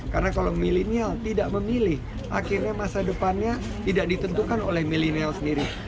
karena kalau milenial tidak memilih akhirnya masa depannya tidak ditentukan oleh milenial sendiri